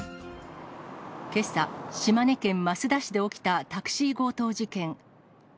けさ、島根県益田市で起きたタクシー強盗事件。